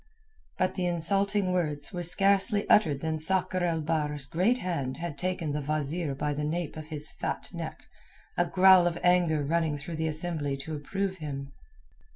But the insulting words were scarcely uttered than Sakr el Bahr's great hand had taken the wazeer by the nape of his fat neck, a growl of anger running through the assembly to approve him.